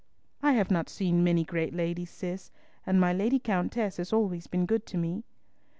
"I have not seen many great ladies, Cis, and my Lady Countess has always been good to me."